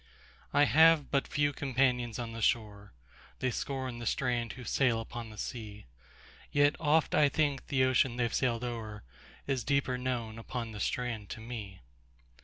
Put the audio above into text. I have but few companions on the shore:They scorn the strand who sail upon the sea; Yet oft I think the ocean they've sailed o'erIs deeper known upon the strand to me.